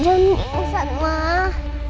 jangan ingin usah emang